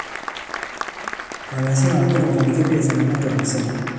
Wanasema hakuna mafanikio bila changamoto anasema